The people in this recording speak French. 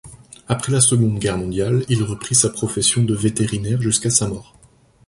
Après la Seconde Guerre mondiale, il reprit sa profession de vétérinaire jusqu’à sa mort.